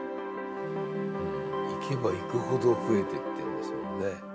行けば行くほど増えてってるんですもんね。